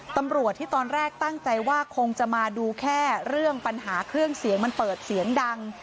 ตำรวจที่ตอนแรกตั้งใจว่าคงจะมาดูแค่เรื่องปัญหาเครื่องเสียงมันเปิดเสียงดัง